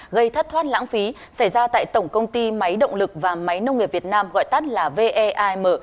gây thất thoát lãng phí xảy ra tại tổng công ty máy động lực và máy nông nghiệp việt nam gọi tắt là veim